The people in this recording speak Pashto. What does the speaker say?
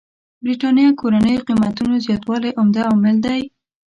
برېتانيا کورونو قېمتونو زياتوالی عمده عامل دی.